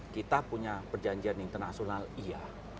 kita punya perjanjian internasional iya